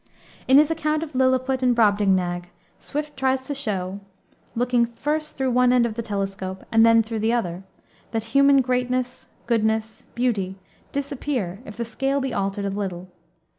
In his account of Lilliput and Brobdingnag, Swift tries to show looking first through one end of the telescope and then through the other that human greatness, goodness, beauty disappear if the scale be altered a little.